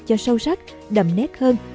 cho sâu sắc đậm nét hơn